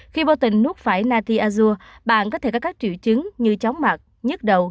khi vô tình nuốt phải natriazur bạn có thể có các triệu chứng như chóng mặt nhức đầu